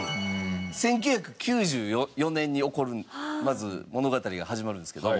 １９９４年に起こるまず物語が始まるんですけど。